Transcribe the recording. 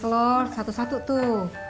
kelor satu satu tuh